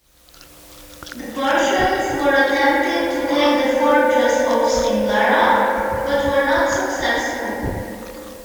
The Persians were attempting to take the fortress of Singara, but were not successful.